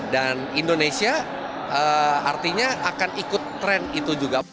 dan indonesia artinya akan ikut tren itu juga